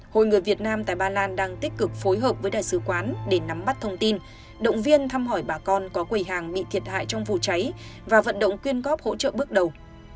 hội người việt nam tại ba lan đang tích cực phối hợp với đại sứ quán để nắm bắt thông tin động viên thăm hỏi bà con có quầy hàng bị thiệt hại trong vụ cháy và vận động quyên góp hỗ trợ bước đầu